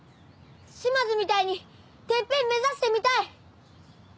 島津みたいにてっぺん目指してみたい！